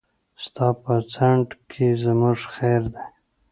ستا په ځنډ کې زموږ خير دی.